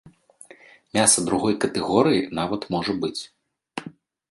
Мяса другой катэгорыі нават можа быць.